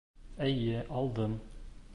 Эйе, алдым